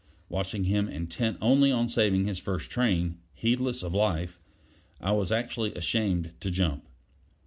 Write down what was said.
Watching him intent only on saving his first train heedless of his life I was actually ashamed to jump.